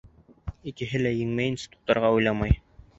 Икеһе лә еңмәйенсә туҡтарға уйламай.